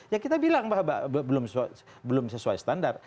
ya kita bilang bahwa belum sesuai standar